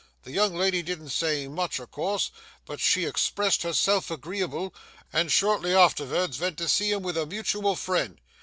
The young lady didn't say much, o' course, but she expressed herself agreeable, and shortly artervards vent to see him vith a mutual friend.